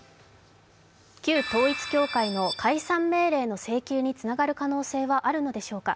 旧統一教会の解散命令の請求につながる可能性はあるのでしょうか。